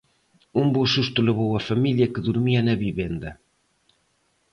Un bo susto levou a familia que durmía na vivenda.